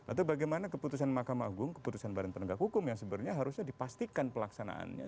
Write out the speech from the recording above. atau bagaimana keputusan mahkamah agung keputusan badan penegak hukum yang sebenarnya harusnya dipastikan pelaksanaannya